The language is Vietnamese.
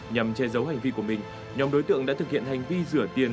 nhằm che giấu hành vi của mình nhóm đối tượng đã thực hiện hành vi rửa tiền